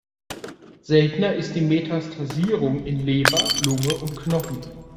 Seltener ist die Metastasierung in Leber, Lunge und Knochen.